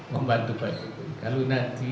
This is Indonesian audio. membantu pak jokowi kalau nanti